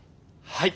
はい。